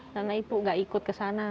nama ibu nggak ikut ke sana